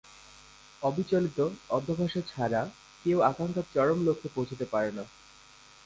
অবিচলিত অধ্যবসায় ছাড়া কেউ আকাঙ্খার চরম লক্ষ্যে পৌছাতে পারে না।